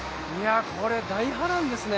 これ大波乱ですね。